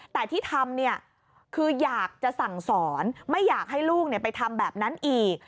แต่ที่ทำเนี่ยคืออยากจะสั่งสอนไม่อยากให้ลูกไปทำแบบนั้นอีก